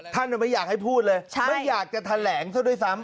ไม่อยากให้พูดเลยไม่อยากจะแถลงซะด้วยซ้ำ